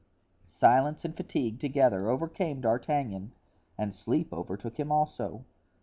Silence and fatigue together overcame D'Artagnan and sleep overtook him also.